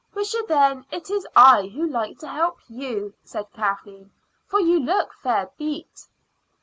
"Wisha, then, it is I who like to help you," said Kathleen, "for you look fair beat."